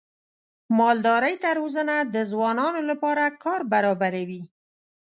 مالدارۍ ته روزنه د ځوانانو لپاره کار برابروي.